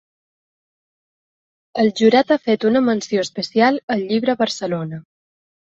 El jurat ha fet una menció especial al llibre Barcelona.